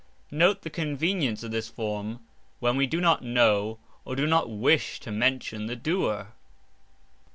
(Note the convenience of this form when we do not know or do not wish to mention the doer).